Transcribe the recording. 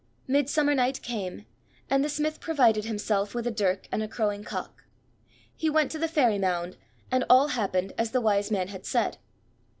Midsummer Night came, and the smith provided himself with a dirk and a crowing cock. He went to the Fairy Mound, and all happened as the Wise man had said.